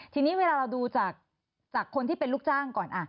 ทีนี้เวลาเราดูจากคนที่เป็นลูกจ้างก่อน